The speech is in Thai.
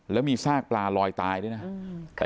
แล้วมีซากปลาลอยตายด้วยนะ